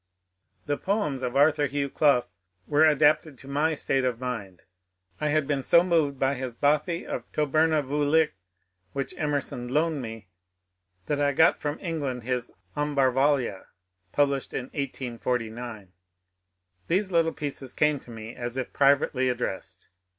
The poems of Arthur Hugh Clough were adapted to my state of mind. I had been so moved by his " Bothie of Tober na Vuolich," which Emerson loaned me, that I got from Eng land his " Ambarvalia " (published in 1849). These little pieces came to me as if privately addressed.